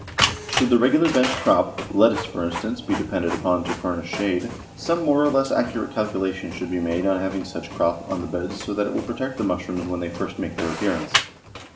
Should the regular bench crop, lettuce, for instance, be depended upon to furnish shade, some more or less accurate calculation should be made on having such crop on the beds so that it will protect the mushrooms when they first make their appearance.